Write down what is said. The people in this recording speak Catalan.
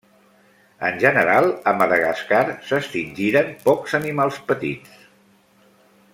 En general, a Madagascar s'extingiren pocs animals petits.